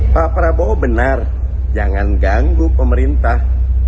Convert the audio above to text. pak prabowo benar jangan ganggu pemerintah